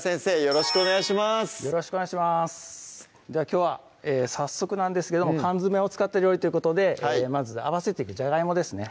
きょうは早速なんですけど缶詰を使った料理ということでまず合わせていくじゃがいもですね